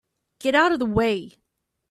Get out of the way!